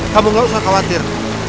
kamu gak usah khawatir